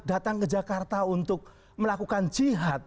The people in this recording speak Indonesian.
datang ke jakarta untuk melakukan jihad